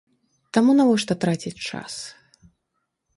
Таму навошта траціць час?